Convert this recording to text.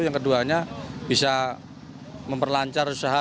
yang keduanya bisa memperlancar usaha